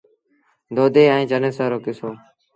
دو دي ائيٚݩ چنيسر رو ڪسو۔